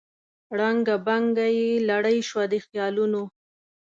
ړنګه بنګه یې لړۍ سوه د خیالونو